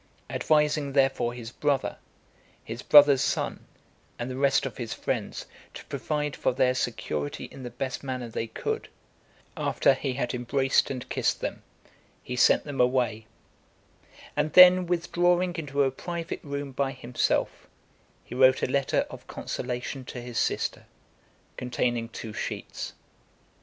Advising therefore his brother, his brother's son, and the rest of his friends, to provide for their security in the best manner they could, after he had embraced and kissed them, he sent them away; and then withdrawing into a private room by himself, he wrote a letter of consolation to his sister, containing two sheets.